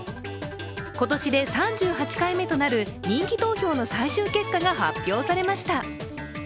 今年で３８回目となる人気投票の最終結果が発表されました。